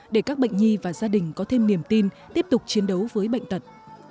để các bệnh nhi và gia đình có thêm niềm tin tiếp tục chiến đấu với bệnh tật